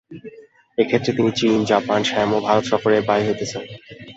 এক্ষণে তিনি চীন, জাপান, শ্যাম ও ভারত সফরে বাহির হইতেছেন।